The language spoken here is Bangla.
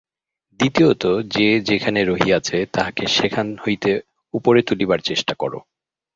দ্বিতীয়ত যে যেখানে রহিয়াছে, তাহাকে সেখান হইতে উপরে তুলিবার চেষ্টা কর।